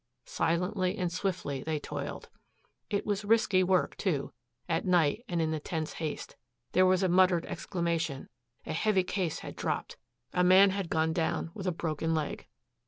Silently and swiftly they toiled. It was risky work, too, at night and in the tense haste. There was a muttered exclamation a heavy case had dropped! a man had gone down with a broken leg.